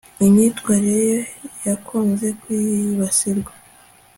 imyitwarire ye yakunze kwibasirwa